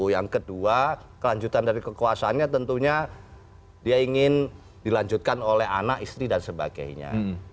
yang kedua kelanjutan dari kekuasaannya tentunya dia ingin dilanjutkan oleh anak istri dan sebagainya